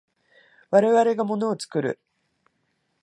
我々が物を作る。